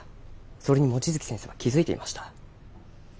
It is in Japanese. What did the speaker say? それに望月先生は気付いていました。